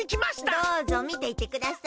どうぞみていってください。